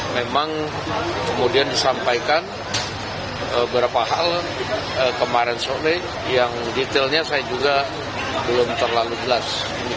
memang kemudian disampaikan beberapa hal kemarin sore yang detailnya saya juga belum terlalu jelas